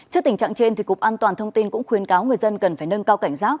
trước tình trạng trên cục an toàn thông tin cũng khuyên cáo người dân cần phải nâng cao cảnh giác